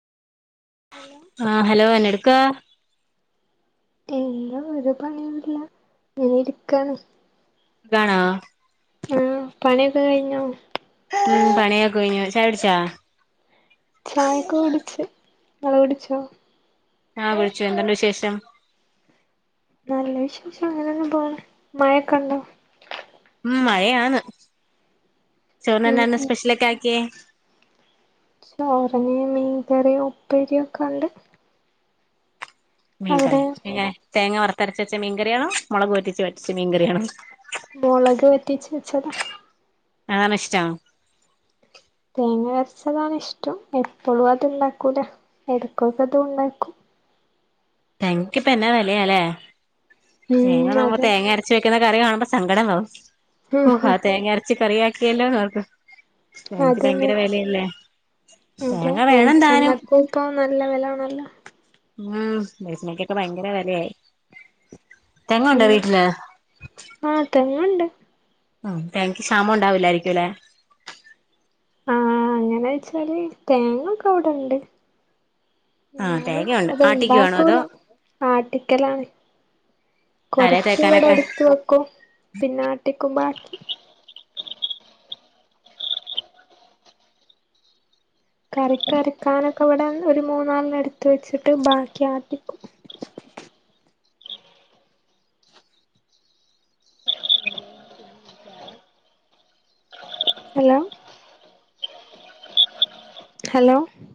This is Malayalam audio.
ഹലോ ആഹ് ഹലോ എന്നെ എടുക്ക എന്താ ഒരു പണിയുല്ല നെ ഇരിക്കാണ് സുഖാണോ ആഹ് പണിയൊക്കെ കഴിഞ്ഞോ ഉം പണിയൊക്ക കഴഞ്ഞ ച്ചായടിച്ചാ ചായൊക്കെ കുടിച്ച് നിങ്ങള് കുടിച്ചോ ആഹ് കുട്ച്ചു എന്തുണ്ട് വിശേഷം നല്ല വിശേഷം അങ്ങനെയങ്ങ് പോണ് മഴക്കണ്ടോ മഴയാണ് ഉം ചോറിന്നന്നെ ഉം സ്പെഷ്യലൊക്കെ ആക്കിയേ ചോറിന് മീൻകറിയോ ഉപ്പരിയും ഒക്കെ ഉണ്ട് മീൻകറി പിനെ തേങ്ങ വറുത്തരച്ച് വെച്ച മീൻകറിണോ മുളക് പെറ്റിച്ച് വെറ്റച്ച് മീൻകറിയാണോ മൊളക് വറ്റിച് വച്ചതാ അതാണൊ ഇഷ്ടം തേങ്ങ അരച്ചതാണ് ഇഷ്ടം എപ്പോഴും അത്ണ്ടാക്കൂല എടക്കൊക്കെ അതും ഉണ്ടാക്കും തേങ്ങക്കിപ്പോ എന്നാ വെലല്ലേ തേങ്ങ ഉം നമ അതെ തേങ്ങ അരച്ച വെക് ക്കുന്ന കറി കാണുമ്പോ സങ്കടം നാവും ഓഹ് ആ തേങ്ങ അരച്ച് കറി ആക്കിയല്ലോ നോർക്ക് തേങ്ങക്ക് അതന്നെ ഭയങ്കര വിലല്ലേ അതെ വെളിച്ചണ്ണക്കിപ്പം നല്ല വെല ആണല്ലോ ഉം വെളിച്ചണ്ണക്കൊക്കെ ഭയങ്കര വെലയായി തെങ്ങുണ്ടോ വീട്ടില് തേങ്ങ് ഉണ്ട് ഉ തേങ്ങക്ക് ക്ഷാമം ഉണ്ടാവില്ലായിരിക്കും അല്ലേ ആഹ് അങ്ങനെ വെച്ചാല് തേങ്ങൊക്കെ അവിടെണ്ട് ആഹ് എന്നാലും തേങ്ങയുണ്ട് ആട്ടിക്കുവാണോ അത്ണ്ടാക്കൂല അതോ ആട്ടിക്കലാണ് തലേ കൊറച്ച് ഇവിടെ തേക്കാനൊക്കെ എടുത്ത് വെക്കും പിന്നെ ആട്ടിക്കും ബാക്കി- കറിക്ക് അക്കരക്കാനൊക്കെ ഇവിടെ ഒരു മൂന്നാലെണ്ണം അടുത്ത് വെച്ചിട്ട് ബാക്കി ആട്ടിക്കും [inaudible] ഉ [inaudible] ഹലോ ഹലോ